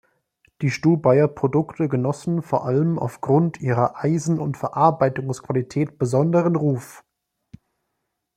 Die Stubaier Produkte genossen vor allem auf Grund ihrer Eisen- und Verarbeitungsqualität besonderen Ruf.